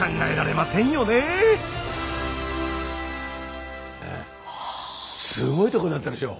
ねえすごいとこだったでしょう。